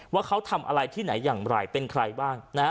ว่าเขาทำอะไรที่ไหนอย่างไรเป็นใครบ้าง